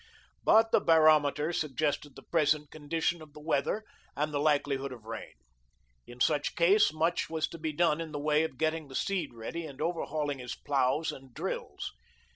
But the barometer suggested the present condition of the weather and the likelihood of rain. In such case, much was to be done in the way of getting the seed ready and overhauling his ploughs and drills.